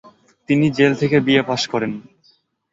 তিনি জেল থেকে বি এ পাস করেন।